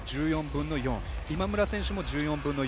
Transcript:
１４分の４今村選手も１４分の４。